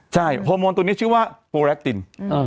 ใช่โฮโมนตัวนี้ชื่อว่าโปรแรคติน